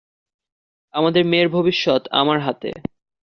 আমাদের মেয়ের ভবিষ্যৎ আমার হাতে।